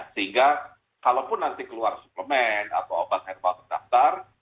sehingga kalaupun nanti keluar suplemen atau obat herbal terdaftar